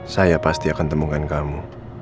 saya pasti akan temukan kamu